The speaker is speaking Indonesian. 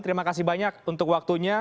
terima kasih banyak untuk waktunya